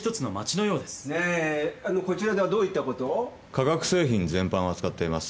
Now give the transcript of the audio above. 化学製品全般を扱ってます。